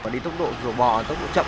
đi tốc độ rổ bò tốc độ chậm